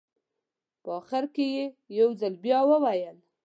په اخره کې یې یو ځل بیا وویل.